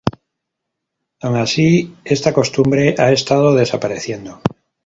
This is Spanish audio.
Aun así, esta costumbre ha estado desapareciendo.